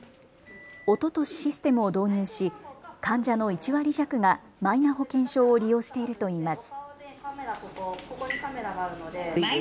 おととしシステムを導入し患者の１割弱がマイナ保険証を利用しているといいます。